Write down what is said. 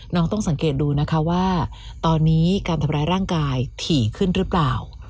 ต้องสังเกตดูนะคะว่าตอนนี้การทำร้ายร่างกายถี่ขึ้นหรือเปล่า